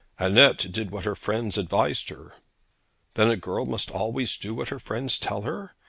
'Annette did what her friends advised her.' 'Then a girl must always do what her friends tell her?